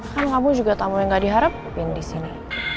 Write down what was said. kan kamu juga tamu yang gak diharapin di sini